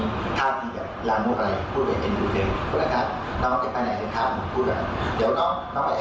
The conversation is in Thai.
ไม่ได้เป็นลูกขับเลยน้องมันหนักต่างดีเฉย